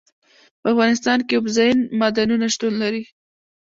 په افغانستان کې اوبزین معدنونه شتون لري.